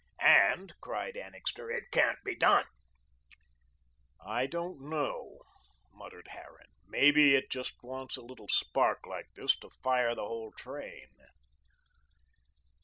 "And," cried Annixter, "it can't be done." "I don't know," muttered Harran, "maybe it just wants a little spark like this to fire the whole train."